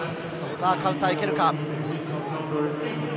カウンターいけるか？